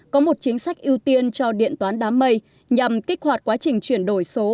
có một chính sách ưu tiên cho điện toán đám mây nhằm kích hoạt quá trình chuyển đổi số